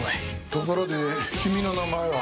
ところで君の名前は？